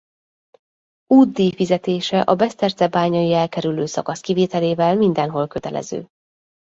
Útdíj fizetése a besztercebányai elkerülő szakasz kivételével mindenhol kötelező.